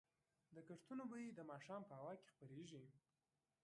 د کښتونو بوی د ماښام په هوا کې خپرېږي.